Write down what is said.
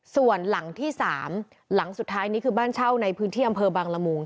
ส่วนหลังที่๓หลังสุดท้ายนี้คือบ้านเช่าในพื้นที่อำเภอบังละมุง